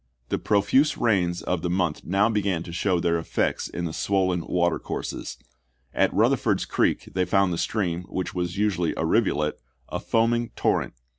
The profuse rains of the month now began to show their effects in the swollen water courses. At Eutherford's Creek they found the stream, which was usually a rivulet, a foaming torrent.